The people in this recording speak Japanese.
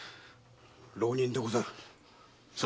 浪人でござる。